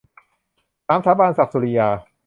สามสาบาน - ศักดิ์ สุริยา